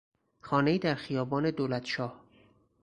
خانهای در خیابان دولتشاه